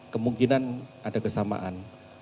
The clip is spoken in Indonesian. kemungkinan ada kesamaan